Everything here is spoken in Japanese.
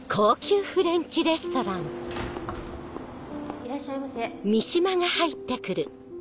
いらっしゃいませ。